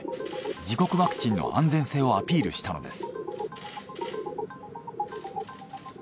自国ワクチンの安全性をアピールしたのです。